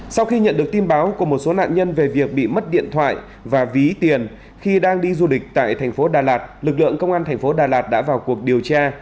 sau khi nhận được tin báo của một số nạn nhân về việc bị mất điện thoại và ví tiền khi đang đi du lịch tại thành phố đà lạt lực lượng công an thành phố đà lạt đã vào cuộc điều tra